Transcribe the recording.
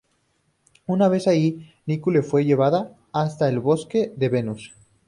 Una vez allí, Nicole fue llevada hasta el bosque de Venus.